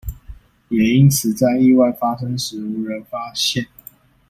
也因此在意外發生時無人發現